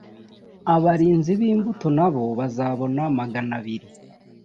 abarinzi b’imbuto na bo bazabona magana abiri